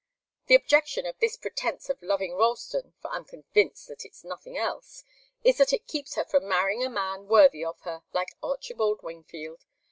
The objection to this pretence of loving Ralston for I'm convinced that it's nothing else is that it keeps her from marrying a man worthy of her, like Archibald Wingfield.